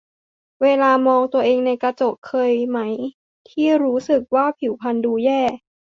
เวลามองตัวเองในกระจก เคยไหมที่รู้สึกว่าผิวพรรณดูแย่